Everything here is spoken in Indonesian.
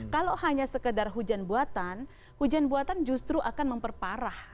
kalau hanya sekedar hujan buatan hujan buatan justru akan memperparah